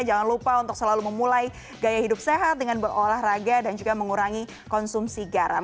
jangan lupa untuk selalu memulai gaya hidup sehat dengan berolahraga dan juga mengurangi konsumsi garam